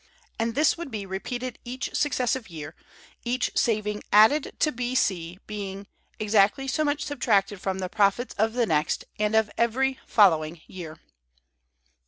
And this would be repeated each successive year, each saving added to B C being "exactly so much subtracted from the profits of the next and of every following year."